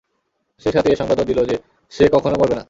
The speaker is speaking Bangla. সেই সাথে এ সংবাদও দিল যে, সে কখনো মরবে না।